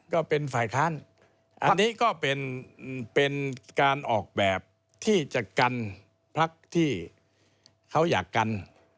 ก็เป็นฝ่ายค้านอันนี้ก็เป็นการออกแบบที่จะกันพักที่เขาอยากกัน